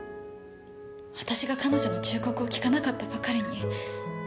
私が彼女の忠告を聞かなかったばかりに。